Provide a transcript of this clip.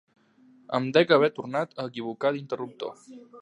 Em dec haver tornat a equivocar d'interruptor.